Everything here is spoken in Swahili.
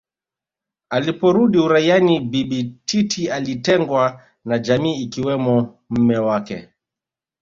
Aliporudi uraiani Bibi Titi alitengwa na jamii ikiwemo mme wake